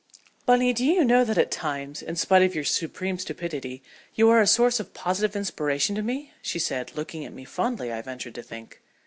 "Bunny, do you know that at times, in spite of your supreme stupidity, you are a source of positive inspiration to me?" she said, looking at me, fondly, I ventured to think.